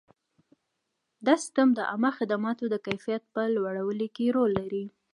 دا سیستم د عامه خدماتو د کیفیت په لوړولو کې رول لري.